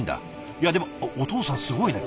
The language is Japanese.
いやでもお父さんすごいね。